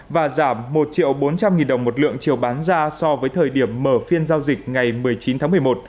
và giảm một triệu bốn trăm linh nghìn đồng một lượng chiều bán ra so với thời điểm mở phiên giao dịch ngày một mươi chín tháng một mươi một